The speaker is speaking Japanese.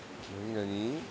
何？